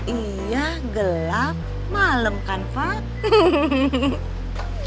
iya gelap malem kan pak